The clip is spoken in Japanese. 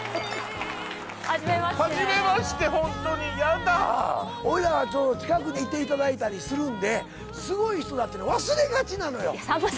初めまして初めましてホントにイヤだ俺らは近くにいていただいたりするんですごい人だっていうのを忘れがちなのよ